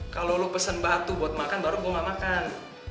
kalo lu pesen batu buat makan baru gua mau makan